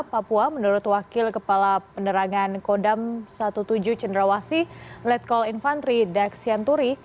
papua menurut wakil kepala penerangan kodam tujuh belas cendrawasi letkol infantri daksian turi